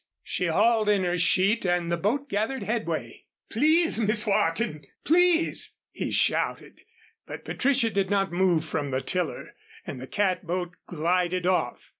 She hauled in her sheet and the boat gathered headway. "Please, Miss Wharton, please!" he shouted. But Patricia did not move from the tiller, and the catboat glided off.